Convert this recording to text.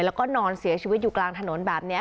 แล้วก็นอนเสียชีวิตอยู่กลางถนนแบบนี้